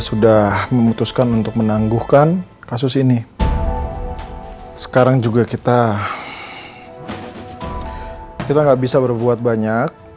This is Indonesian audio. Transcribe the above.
sudah memutuskan untuk menangguhkan kasus ini sekarang juga kita kita nggak bisa berbuat banyak